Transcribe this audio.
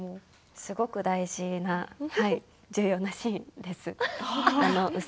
すごく大事な重要なシーンです。